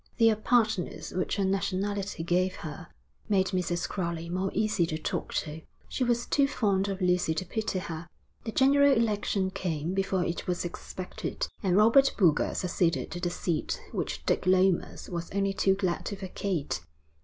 The apartness which her nationality gave her, made Mrs. Crowley more easy to talk to. She was too fond of Lucy to pity her. The general election came before it was expected, and Robert Boulger succeeded to the seat which Dick Lomas was only too glad to vacate.